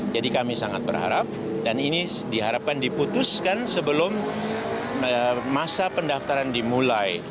jadi kami sangat berharap dan ini diharapkan diputuskan sebelum masa pendaftaran dimulai